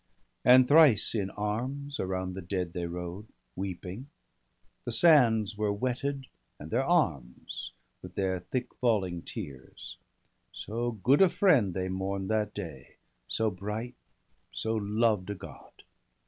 And thrice in arms around the dead they rode. Weeping ; the sands were wetted, and their arms. With their thick falling tears — so good a friend They mourn'd that day, so bright, so loved a God.